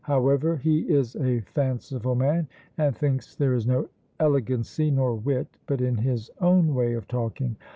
However, he is a fanciful man, and thinks there is no elegancy nor wit but in his own way of talking.